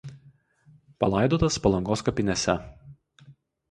Palaidotas Palangos kapinėse.